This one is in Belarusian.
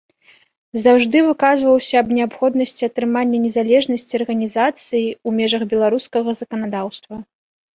Заўжды выказваўся аб неабходнасці атрымання незалежнасці арганізацыі ў межах беларускага заканадаўства.